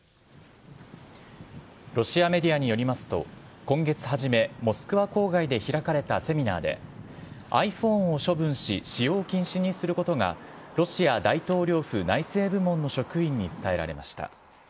ロシアメディアによりますと、今月初め、モスクワ郊外で開かれたセミナーで、ｉＰｈｏｎｅを処分し、使用禁止にすることが、ロシア大統領府内政部門の職員に伝えられました。